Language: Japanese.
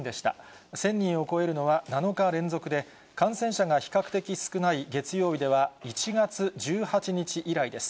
１０００人を超えるのは７日連続で、感染者が比較的少ない月曜日では、１月１８日以来です。